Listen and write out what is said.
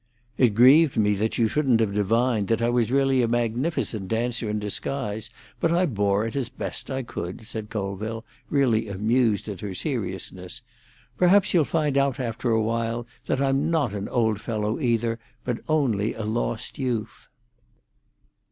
"It grieved me that you shouldn't have divined that I was really a magnificent dancer in disguise, but I bore it as best I could," said Colville, really amused at her seriousness. "Perhaps you'll find out after a while that I'm not an old fellow either, but only a 'Lost Youth.'"